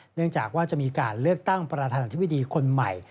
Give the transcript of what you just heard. เนื่องจากว่าจะมีการเลือกตั้งประธานาธิบดีคนใหม่